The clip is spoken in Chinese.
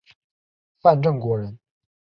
范正国人。